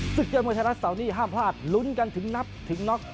ศึกยอดมวยไทยรัฐเสาร์นี้ห้ามพลาดลุ้นกันถึงนับถึงน็อก